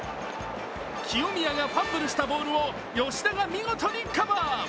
清宮がファンブルしたボールを吉田が見事にカバー。